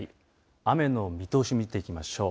雨の見通し、見ていきましょう。